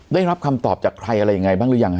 ได้รับคำตอบจากใครอะไรยังไงบ้างหรือยังฮ